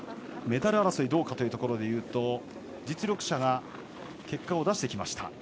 メダル争いどうかというところでいうと実力者が結果を出してきました。